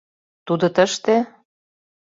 Тудо тыште?